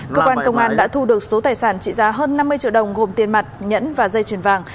cơ quan công an đã thu được số tài sản trị giá hơn năm mươi triệu đồng gồm tiền mặt nhẫn và dây chuyển vàng